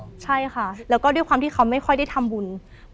ใช่ค่ะแล้วก็ด้วยความที่เขาไม่ค่อยได้ทำบุญ